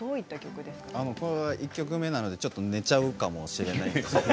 １曲目なのでちょっと寝ちゃうかもしれないですね。